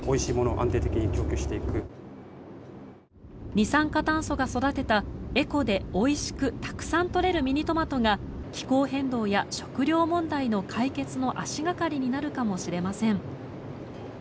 二酸化炭素が育てたエコでおいしくたくさん取れるミニトマトが気候変動や食料問題の解決の足掛かりになるかもしれません。